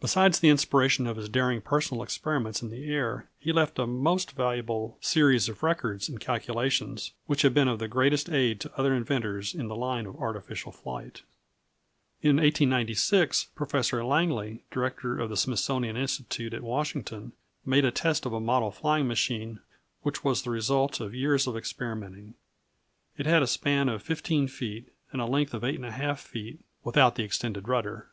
Besides the inspiration of his daring personal experiments in the air, he left a most valuable series of records and calculations, which have been of the greatest aid to other inventors in the line of artificial flight. [Illustration: Lilienthal in his biplane glider.] In 1896, Professor Langley, director of the Smithsonian Institution at Washington, made a test of a model flying machine which was the result of years of experimenting. It had a span of 15 feet, and a length of 8½ feet without the extended rudder.